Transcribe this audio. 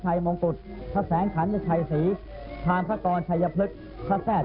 จากนั้นเวลา๑๑นาฬิกาเศรษฐ์พระธินั่งไพรศาลพักศิลป์